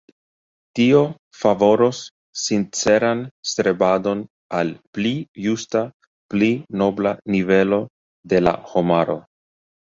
Tio favoros sinceran strebadon al pli justa, pli nobla nivelo de la homaro.